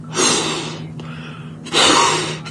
زما په زړه یې جادو کړی زما په شعر یې کوډي کړي ,